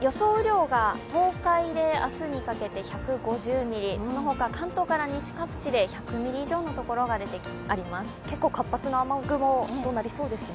雨量が東海で明日にかけて１５０ミリその他、関東から西各所１２０ミリ以上のところが出てきそうです。